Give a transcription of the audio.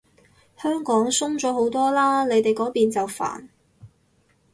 香港鬆咗好多嘞，你哋嗰邊就煩